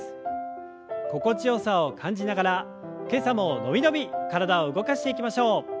心地よさを感じながら今朝も伸び伸び体を動かしていきましょう。